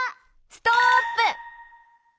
ストップ！